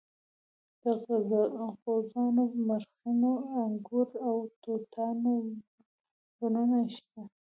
د غوزانو مرخڼو انګورو او توتانو بڼونه شته.